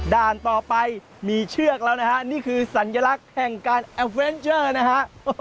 ด่านต่อไปมีเชือกแล้วนะฮะนี่คือสัญลักษณ์แห่งการแอปเวนเจอร์นะฮะ